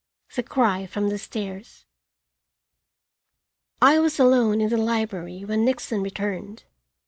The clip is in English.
THE CRY FROM THE STAIRS I was alone in the library when Nixon returned.